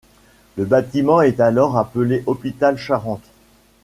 Le bâtiment est alors appelée Hôpital-Charente.